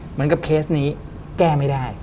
เหมือนกับเคสนี้แก้ไม่ได้